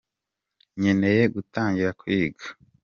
Nkeneye gutangira kwiga.